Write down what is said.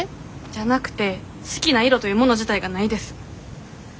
じゃなくて好きな色というもの自体がないです。